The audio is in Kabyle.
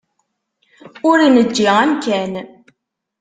Ur neǧǧi amkan.